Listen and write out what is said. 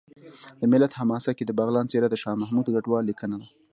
د ملت حماسه کې د بغلان څېره د شاه محمود کډوال لیکنه ده